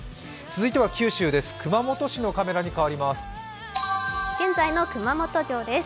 続いては九州です、熊本市のカメラに変わります。